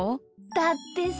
だってさ